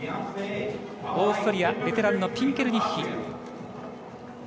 オーストリア、ベテランのピンケルニッヒ。